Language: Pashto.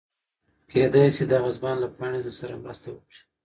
کېدی شي دغه ځوان له پاڼې سره مرسته وکړي.